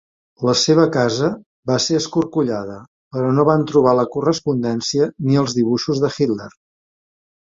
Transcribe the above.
La seva casa va ser escorcollada, però no van trobar la correspondència ni els dibuixos de Hitler.